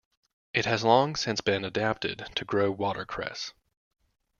It has long since been adapted to grow watercress.